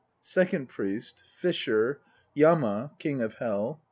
SECOND PRIEST. YAMA, KING OF HELL.